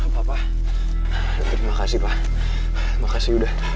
papa terima kasih pak terima kasih udah